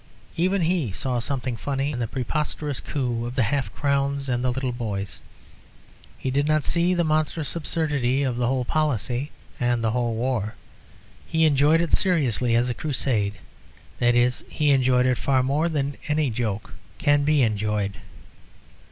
Even he saw something funny in the preposterous coup of the half crowns and the little boys. He did not see the monstrous absurdity of the whole policy and the whole war. He enjoyed it seriously as a crusade, that is, he enjoyed it far more than any joke can be enjoyed.